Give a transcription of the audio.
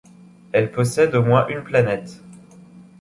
Elle possède au moins une planète.